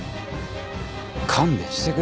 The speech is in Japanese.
勘弁してくれよ。